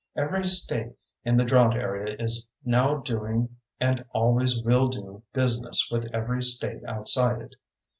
Every state in the drought area is now doing and always will do business with every state outside it.